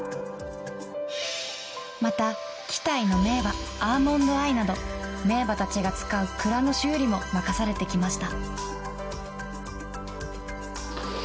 また稀代の名馬アーモンドアイなど名馬たちが使う鞍の修理も任されてきました